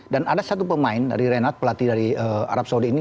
dan ada satu pemain dari renat pelatih dari arab saudi ini